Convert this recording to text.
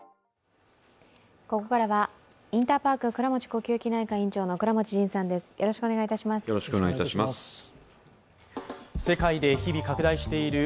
ここからはインターパーク倉持呼吸器内科院長の倉持仁さんです。